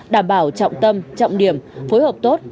đảm bảo trọng tâm trọng điểm phối hợp tốt